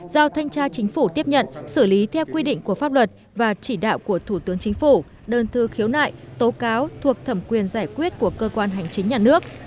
giao thanh tra chính phủ tiếp nhận xử lý theo quy định của pháp luật và chỉ đạo của thủ tướng chính phủ đơn thư khiếu nại tố cáo thuộc thẩm quyền giải quyết của cơ quan hành chính nhà nước